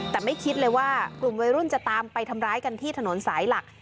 แต่ไม่คิดเลยว่ากลุ่มวัยรุ่นจะตามไปทำร้ายกันที่ถนนสายหลัก